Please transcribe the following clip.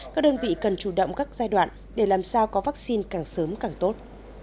các đơn vị cần chủ động các giai đoạn để làm sao có vaccine càng sớm càng tốt